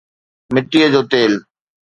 مٽيءَ جو تيل